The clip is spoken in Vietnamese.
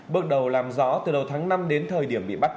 bước đầu làm rõ từ đầu tháng năm đến thời điểm bị bắt